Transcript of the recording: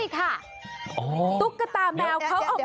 ตุ๊กตาแมว